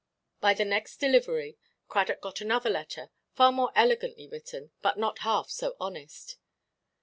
By the next delivery, Cradock got another letter, far more elegantly written, but not half so honest.